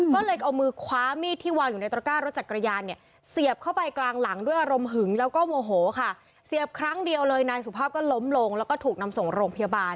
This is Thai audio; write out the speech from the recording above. ก็เลยเอามือคว้ามีดที่วางอยู่ในตระก้ารถจักรยานเนี่ย